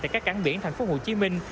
tại các cảng biển thành phố hồ chí minh